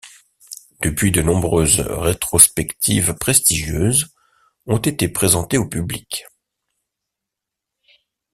Depuis de nombreuses rétrospectives prestigieuses ont été présentées au public.